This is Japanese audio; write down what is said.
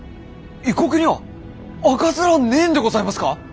異国には赤面はねえんでございますか？